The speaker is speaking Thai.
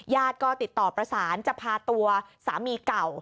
ญาติก็ติดต่อประสานจะพาตัวสามีเก่า